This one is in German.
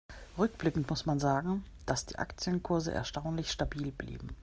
Rückblickend muss man sagen, dass die Aktienkurse erstaunlich stabil blieben.